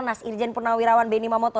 nasirjen purnawirawan beni mamoto